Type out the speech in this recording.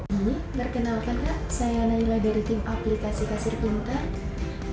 ini perkenalkan ya saya nayla dari tim aplikasi kasir puntar